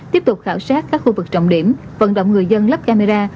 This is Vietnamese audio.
tiếp tục khảo sát các khu vực trọng điểm vận động người dân lắp camera